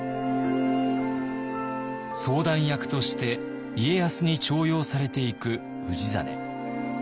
相談役として家康に重用されていく氏真。